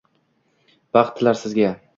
Baxt tilar sizga